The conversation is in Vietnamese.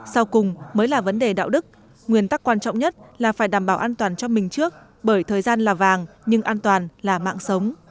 sau cùng mới là vấn đề đạo đức nguyên tắc quan trọng nhất là phải đảm bảo an toàn cho mình trước bởi thời gian là vàng nhưng an toàn là mạng sống